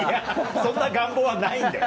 そんな願望はないんだよ